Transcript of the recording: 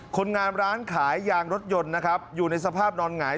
คนงานร้านขายยางรถยนต์นะครับอยู่ในสภาพนอนหงาย